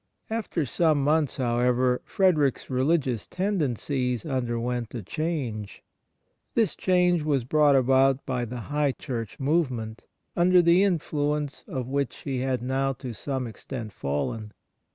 After some months, however, Frederick's religious tendencies underwent a change. This change w^as brought about by the High Church movement, under the influence of which he had now to some Memoir of Father Fahev 3 extent fallen.